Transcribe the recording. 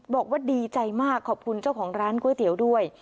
บอกว่าดีใจมากขอบคุณเจ้าของร้านก๋วยเตี๋ยวด้วย